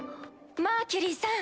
・マーキュリーさん。